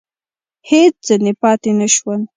هېڅ ځني پاته نه شول !